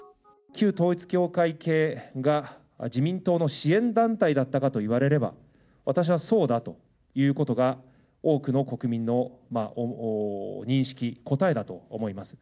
旧統一教会系が、自民党の支援団体だったかと言われれば、私はそうだということが、多くの国民の認識、答えだと思います。